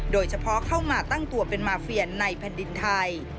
เข้ามาตั้งตัวเป็นมาเฟียในแผ่นดินไทย